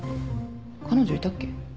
彼女いたっけ？